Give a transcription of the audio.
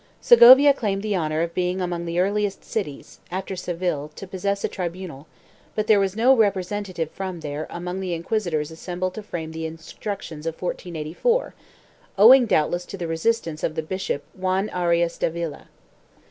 Segovia* claimed the honor of being among the earliest cities, after Seville, to possess a tribunal, but there was no representa tive from there among the inquisitors assembled to frame the Instruc tions of 1484, owing doubtless to the resistance of the bishop Juan Arias Davila.